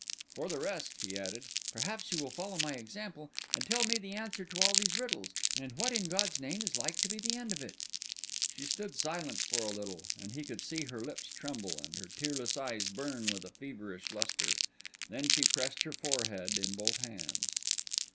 "For the rest," he added, "perhaps you will follow my example, and tell me the answer to all these riddles, and what, in God's name, is like to be the end of it." She stood silent for a little, and he could see her lips tremble and her tearless eyes burn with a feverish lustre. Then she pressed her forehead in both hands.